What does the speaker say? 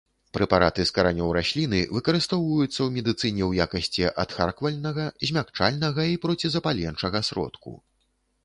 Прэпараты з каранёў расліны выкарыстоўваюцца ў медыцыне ў якасці адхарквальнага, змякчальнага і процізапаленчага сродку.